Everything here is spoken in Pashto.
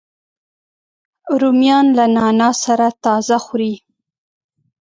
رومیان له نعناع سره تازه خوري